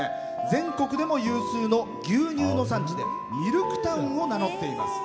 全国でも有数の牛乳の産地でミルクタウンを名乗っています。